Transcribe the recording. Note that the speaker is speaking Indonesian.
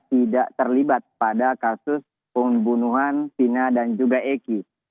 tidak terlibat pada kasus pembunuhan sina dan juga eki